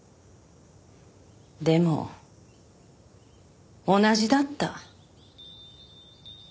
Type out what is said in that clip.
でも同じだった。